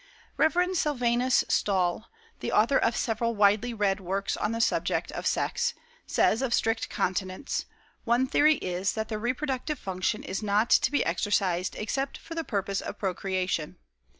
Rev. Sylvanus Stall, the author of several widely read works on the subject of Sex, says of strict continence: "One theory is that the reproductive function is not to be exercised except for the purpose of procreation.